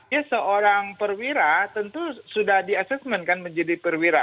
ya seorang perwira tentu sudah di assessment kan menjadi perwira